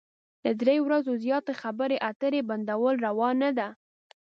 له درې ورځو زيات خبرې اترې بندول روا نه ده.